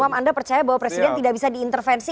mas umam anda percaya bahwa presiden tidak bisa diintervensi